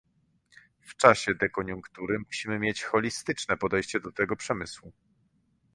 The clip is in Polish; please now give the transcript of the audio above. W czasie dekoniunktury musimy mieć holistyczne podejście do tego przemysłu